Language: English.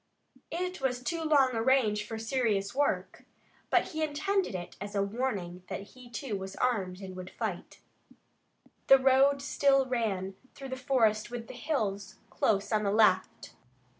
It was too long a range for serious work, but he intended it as a warning that he, too, was armed and would fight. The road still ran through the forest with the hills close on the left.